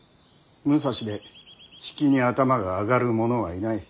武蔵で比企に頭が上がる者はいない。